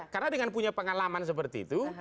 karena dengan punya pengalaman seperti itu